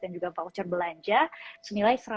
dan juga voucher belanja senilai